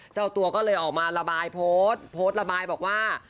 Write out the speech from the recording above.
เจ้าตัวก็เลยออกมาระบายโพสต์โพสต์ระบายบอกว่า